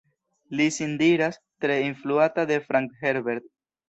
Li sin diras tre influata de Frank Herbert.